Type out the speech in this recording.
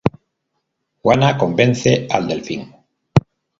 Juana convence al Delfín.